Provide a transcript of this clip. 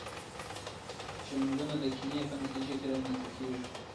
جنګونه د کینې په نتیجه کي رامنځته کیږي.